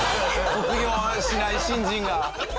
卒業しない新人が？